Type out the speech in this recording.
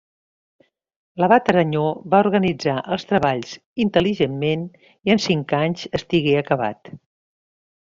L'abat Aranyó va organitzar els treballs intel·ligentment, i en cinc anys estigué acabat.